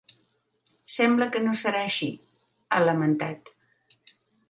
“Sembla que no serà així”, ha lamentat.